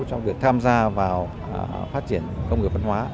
trong việc tham gia vào phát triển công nghiệp văn hóa